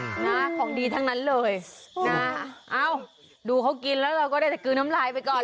นะของดีทั้งนั้นเลยนะเอ้าดูเขากินแล้วเราก็ได้แต่กลืนน้ำลายไปก่อน